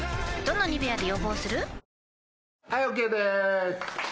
はいＯＫでーす！